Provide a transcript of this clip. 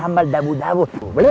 nah ide mu cemerlang